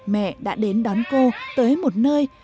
mẹ đã đến đón cô tới một nơi